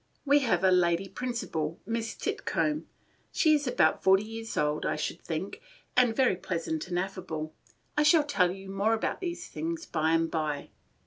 We have a lady principal, Miss Titcomb. She is about forty years old, I should think, and very pleasant and affable. I shall tell you more about these things by and by.